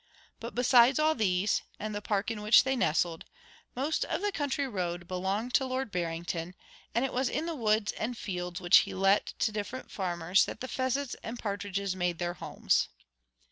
But besides all these, and the Park in which they nestled, most of the country round belonged to Lord Barrington; and it was in the woods and fields which he let to different farmers that the pheasants and partridges made their homes.